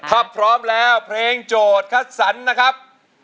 ถ้าพร้อมแล้วเพลงโจทย์คัดสรรนะครับ